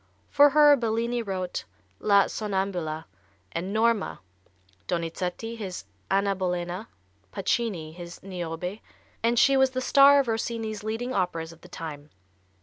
For her Bellini wrote "La Sonnambula" and "Norma," Donizetti his "Anna Bolena," Pacini his "Niobe," and she was the star of Rossini's leading operas of the time.